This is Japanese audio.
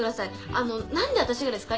あのなんで私がですか？